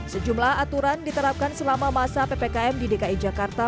sejumlah aturan diterapkan selama masa ppkm di dki jakarta